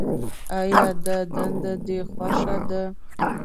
آیا دا دنده دې خوښه ده.